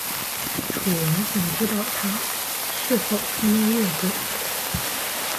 楚王想知道他是否思念越国。